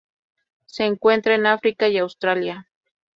Se encuentra en África y Australia.